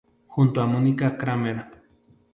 Junto a Mónica Cramer.